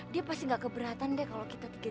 dia pasti gak keberatan deh kalau kita bikin